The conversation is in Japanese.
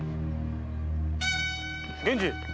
源次！